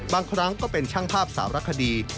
บางครั้งก็เป็นช่างภาพสารคดี